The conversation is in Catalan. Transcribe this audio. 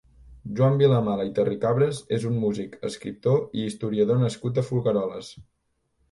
Joan Vilamala i Terricabras és un músic, escriptor i historiador nascut a Folgueroles.